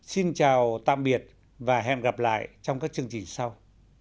xin chào tạm biệt và hẹn gặp lại trong các chương trình sau